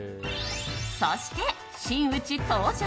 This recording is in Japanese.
そして、真打ち登場。